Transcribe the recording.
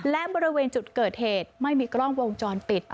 และบริเวณจุดเกิดเหตุไม่มีกล้องวงจรปิด